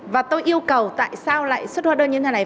và tôi yêu cầu tại sao lại xuất hóa đơn như thế này